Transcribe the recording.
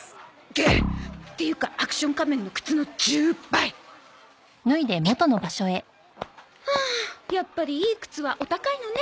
げっ！っていうかアクション仮面の靴の１０倍！はあやっぱりいい靴はお高いのね。